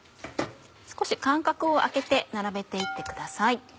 少し間隔を空けて並べて行ってください。